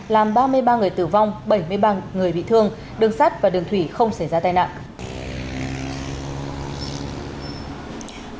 làm ba mươi ba người tử vong bảy mươi ba người bị thương đường sắt và đường thủy không xảy ra tai nạn